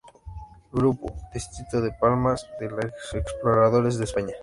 Grupo, Distrito de Palmas, de los Exploradores de España.